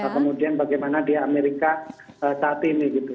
kemudian bagaimana di amerika saat ini gitu